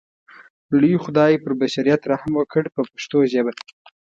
لوی خدای پر بشریت رحم وکړ په پښتو ژبه.